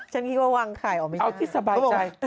ฉันคิดว่าว้างไข่ออกไม่ได้